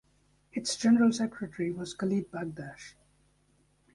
Its general secretary was Khalid Bakdash.